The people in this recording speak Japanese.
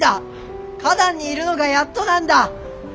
花壇にいるのがやっとなんだ！